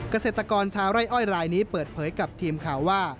เกษตรกรชาวไร่อ้อยรายนี้เปิดเผยกับทีมข่าวว่า